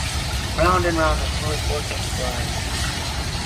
Round and round the fluid vortex flies.